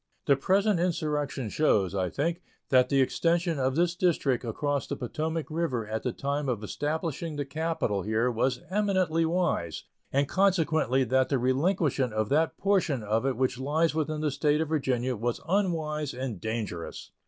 The present insurrection shows, I think, that the extension of this District across the Potomac River at the time of establishing the capital here was eminently wise, and consequently that the relinquishment of that portion of it which lies within the State of Virginia was unwise and dangerous.